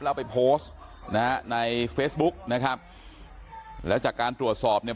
แล้วไปโพสต์นะฮะในเฟซบุ๊กนะครับแล้วจากการตรวจสอบเนี่ย